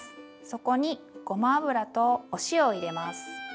そこにごま油とお塩を入れます。